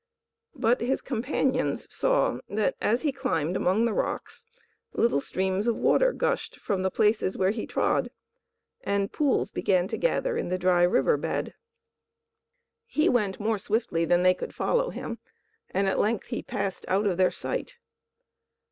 But his companions saw that as he climbed among the rocks, little streams of water gushed from the places where he trod, and pools began to gather in the dry river bed. He went more swiftly than they could follow him, and at length he passed out of their sight.